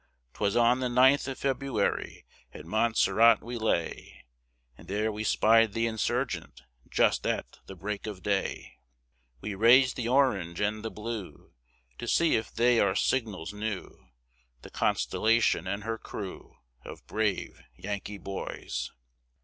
'Twas on the 9th of February, at Montserrat we lay, And there we spy'd the Insurgente just at the break of day, We raised the orange and the blue, To see if they our signals knew, The Constellation and her crew Of brave Yankee boys.